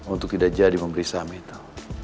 untuk tidak jadi memberi saham itu